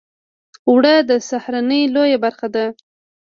اوړه د سهارنۍ لویه برخه ده